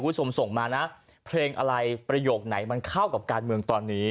คุณผู้ชมส่งมานะเพลงอะไรประโยคไหนมันเข้ากับการเมืองตอนนี้